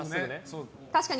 確かに。